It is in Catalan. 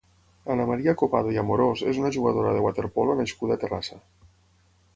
Ana María Copado i Amorós és una jugadora de waterpolo nascuda a Terrassa.